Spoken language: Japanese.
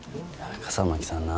笠巻さんな